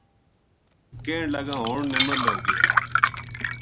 کہن لگا ہن نِمل ہو گیو